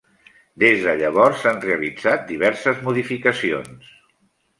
Des de llavors, s'han realitzat diverses modificacions.